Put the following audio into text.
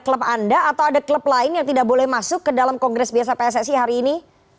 klub anda atau ada klub lain yang tidak boleh masuk ke dalam kongres biasa pssi hari ini